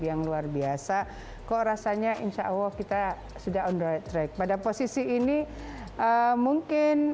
yang luar biasa kok rasanya insya allah kita sudah on the right track pada posisi ini mungkin